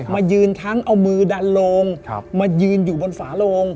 มายืนทั้งเอามือดันโลงมายืนอยู่บนฝาโลง